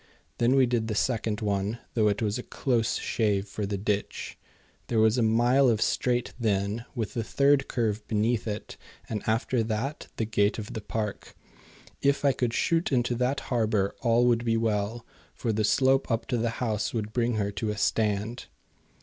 Then we did the second one, though it was a close shave for the ditch. There was a mile of straight then with the third curve beneath it, and after that the gate of the park. If I could shoot into that harbour all would be well, for the slope up to the house would bring her to a stand.